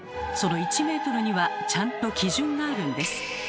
その１ｍにはちゃんと基準があるんです。